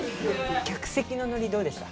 客席のノリどうでした？